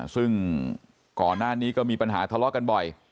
ซึ่งก่อนหน้านี้ก็มีปัญหาทะเลาะกันบ่อย